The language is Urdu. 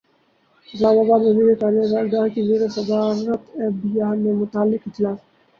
اسلام اباد وزیر خزانہ اسحاق ڈار کی زیر صدارت ایف بی ار سے متعلق اجلاس